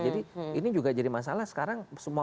jadi ini juga jadi masalah sekarang semua